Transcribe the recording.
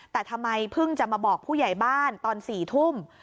แต่ทำไมเพิ่งจะมาบอกผู้ใหญ่บ้านตอน๔ทุ่ม